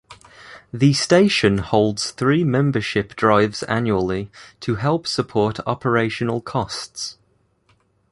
The station holds three membership drives annually to help support operational costs.